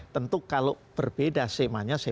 tentu kalau berbeda semanya